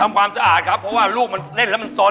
ความสะอาดครับเพราะว่าลูกมันเล่นแล้วมันสน